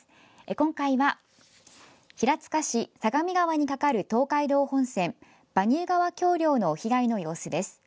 今回は、平塚市・相模川に架かる東海道本線、馬入川橋りょうの被害の様子です。